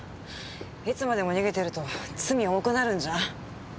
いつまでも逃げてると罪重くなるんじゃん？